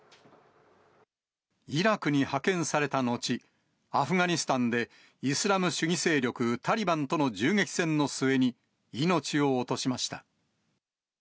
イラクに派遣された後、アフガニスタンでイスラム主義勢力タリバンとの銃撃戦の末に、命を落としました。